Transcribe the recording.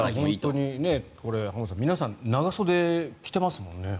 本当に浜田さん皆さん長袖着てますもんね。